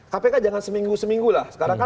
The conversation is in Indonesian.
kpk jangan seminggu seminggu lah